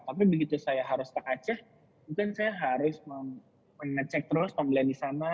tapi begitu saya harus ke aceh mungkin saya harus mengecek terus pembelian di sana